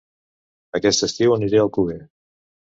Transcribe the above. Aquest estiu aniré a Alcover